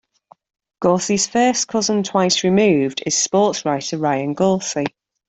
Gorcey's first cousin, twice removed, is sports writer Ryan Gorcey.